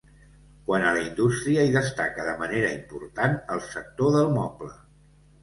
Quant a la indústria, hi destaca de manera important el sector del moble.